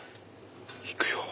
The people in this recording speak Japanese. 行くよ。